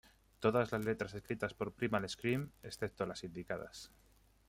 Todas las letras escritas por Primal Scream, excepto las indicadas.